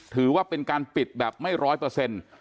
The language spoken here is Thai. ถือว่าเป็นการปิดแบบไม่ร้อยเปอร์เซ็นต์